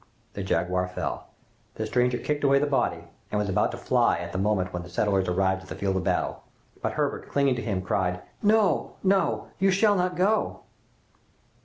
The jaguar fell. The stranger kicked away the body, and was about to fly at the moment when the settlers arrived on the field of battle, but Herbert, clinging to him, cried, "No, no! you shall not go!"